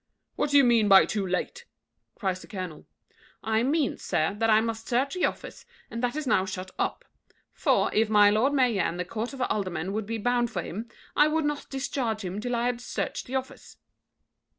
"What do you mean by too late?" cries the colonel. "I mean, sir, that I must search the office, and that is now shut up; for, if my lord mayor and the court of aldermen would be bound for him, I would not discharge him till I had searched the office."